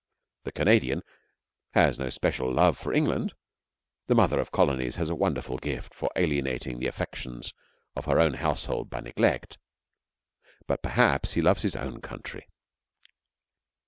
The Canadian has no special love for England the Mother of Colonies has a wonderful gift for alienating the affections of her own household by neglect but, perhaps, he loves his own country.